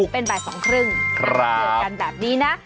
เป็นบ่าย๒ครึ่งน่าจะเจอกันแบบนี้นะ